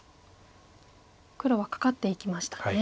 黒はカカっていきましたね。